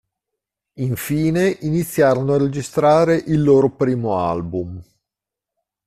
Infine, iniziarono a registrare il loro primo album.